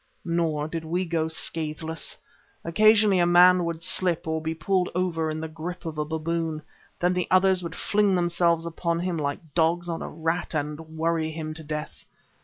Nor did we go scathless. Occasionally a man would slip, or be pulled over in the grip of a baboon. Then the others would fling themselves upon him like dogs on a rat, and worry him to death.